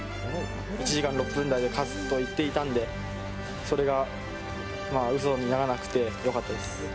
１時間６分台で勝つと言っていたんで、それがうそにならなくてよかったです。